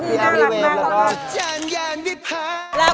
พี่หนุ่มพูดไปแล้ว